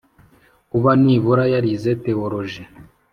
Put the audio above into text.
Kuba nibura yarize Theoloji